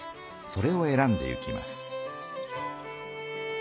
それを選んでいきます。